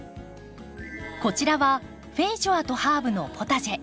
こちらはフェイジョアとハーブのポタジェ。